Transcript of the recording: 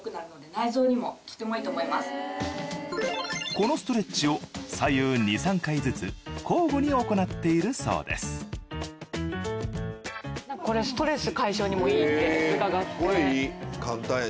このストレッチを左右２３回ずつ交互に行っているそうですへ